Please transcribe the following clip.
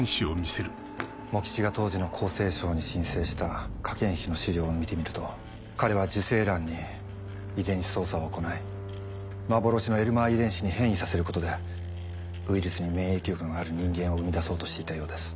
茂吉が当時の厚生省に申請した科研費の資料を見てみると彼は受精卵に遺伝子操作を行い幻のエルマー遺伝子に変異させることでウイルスに免疫力のある人間を生み出そうとしていたようです。